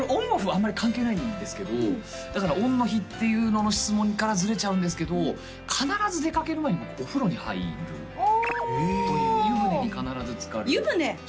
あんまり関係ないんですけどだからオンの日っていうのの質問からずれちゃうんですけど必ず出かける前に僕お風呂に入るあ湯船に必ずつかる湯船？